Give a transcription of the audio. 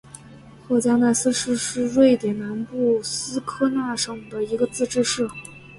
赫加奈斯市是瑞典南部斯科讷省的一个自治市。